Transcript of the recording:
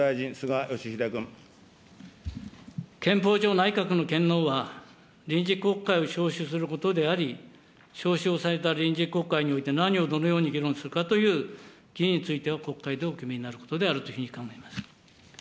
憲法上、内閣の権能は臨時国会を召集することであり、召集をされた臨時国会において何をどのように議論するかというぎについては、お決めになることだというふうに考えております。